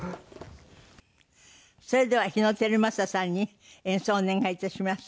それでは日野皓正さんに演奏をお願い致します。